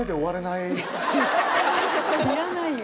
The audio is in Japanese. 知らないよ